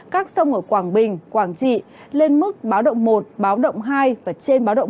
các sông ở quảng bình quảng trị lên mức báo động một báo động hai và trên báo động một